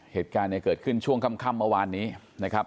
เหตุการณ์ก็เกิดขึ้นช่วงค่ำเมื่อวานนี้